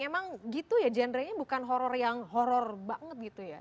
emang gitu ya genrenya bukan horror yang horror banget gitu ya